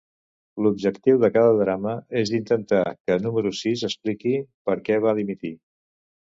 L'objectiu de cada drama és intentar que Número Sis expliqui per què va dimitir.